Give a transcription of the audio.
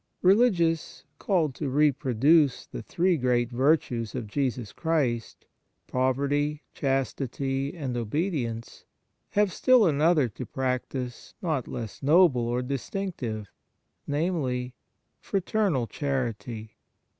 Religious, called to reproduce the three great virtues of Jesus Christ poverty, chas tity, and obedience have still another to practise not less noble or distinctive viz., fraternal charity.